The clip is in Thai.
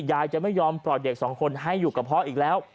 ยายจะไม่ยอมปล่อยเด็กสองคนให้อยู่กับพ่ออีกแล้ว